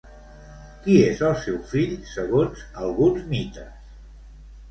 Qui és el seu fill, segons alguns mites?